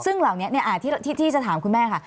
ซึ่งเหล่านี้ที่จะถามคุณแม่ค่ะ